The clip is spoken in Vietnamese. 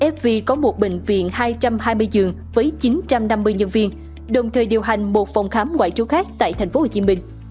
fv có một bệnh viện hai trăm hai mươi giường với chín trăm năm mươi nhân viên đồng thời điều hành một phòng khám ngoại trú khác tại tp hcm